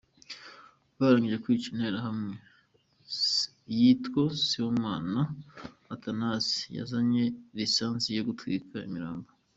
Barangije kwica, interahamwe yitwa Sibomana Athanase yazanye lisansi yo gutwika imirambo.